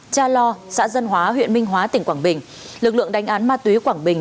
cha lo xã dân hóa huyện minh hóa tỉnh quảng bình lực lượng đánh án ma túy quảng bình